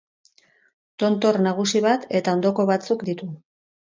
Tontor nagusi bat eta ondoko batzuk ditu.